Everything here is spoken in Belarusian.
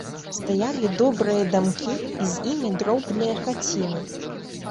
Стаялі добрыя дамкі і з імі дробныя хаціны.